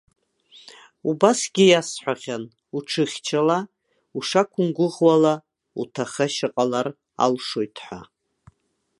Уабгьы иасҳәахьан, уҽыхьчала, ушақәымгәыӷуала уҭахашьа ҟалар алшоит ҳәа.